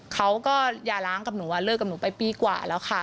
เขาก็อย่าล้างกับหนูเลิกกับหนูไปปีกว่าแล้วค่ะ